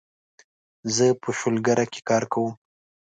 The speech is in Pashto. زه په شولګره کې کار کوم